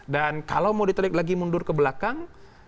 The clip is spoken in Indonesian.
dan kalau mau ditulis lagi mundur ke belakang